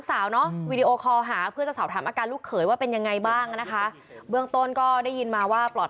ส่วนที่นี่คือลูกสาวโทรมาบอก